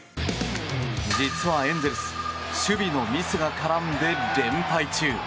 実はエンゼルス守備のミスが絡んで連敗中。